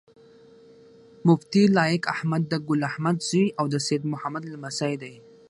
مفتي لائق احمد د ګل احمد زوي او د سيد محمد لمسی دی